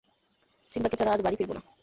সিম্বাকে ছাড়া আজ বাড়ি ফিরব না।